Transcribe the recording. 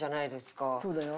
そうだよ。